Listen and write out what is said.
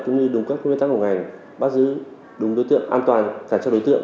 cũng như đúng các nguyên tắc của ngành bắt giữ đúng đối tượng an toàn trả cho đối tượng